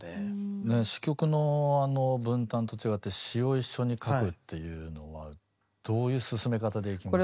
詞曲の分担と違って詞を一緒に書くというのはどういう進め方でいきましたか？